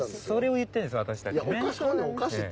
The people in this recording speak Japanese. それを言ってるんです私たちね。